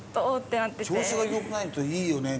調子がよくないといいよね。